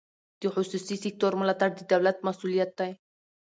د خصوصي سکتور ملاتړ د دولت مسوولیت دی.